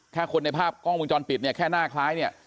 แค่คนในภาพกล้องวงจรปิดเนี่ยแค่หน้าคล้ายเนี่ย